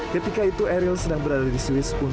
ketika itu eril sedang berada di swiss untuk mencari perubahan